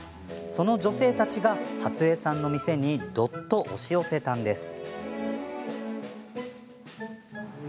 その女性たちが初枝さんの店にどっと押し寄せたんです。